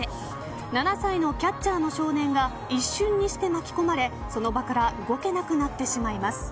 ７歳のキャッチャーの少年が一瞬にして巻き込まれその場から動けなくなってしまいます。